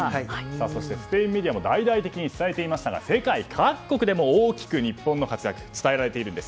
そしてスペインメディアも大々的に伝えていましたが世界各国でも大きく日本の活躍が伝えられているんです。